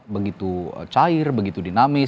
begitu cair begitu dinamis